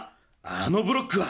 あのブロックは。